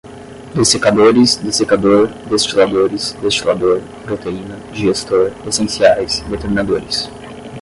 dessecadores, dessecador, destiladores, destilador, proteína, digestor, essenciais, determinadores